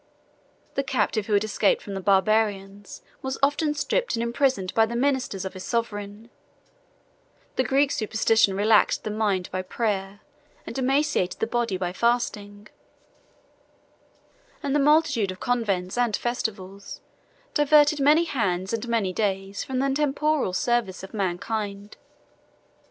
The captive who had escaped from the Barbarians was often stripped and imprisoned by the ministers of his sovereign: the Greek superstition relaxed the mind by prayer, and emaciated the body by fasting; and the multitude of convents and festivals diverted many hands and many days from the temporal service of mankind.